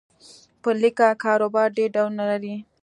پر لیکه کاروبار ډېر ډولونه لري.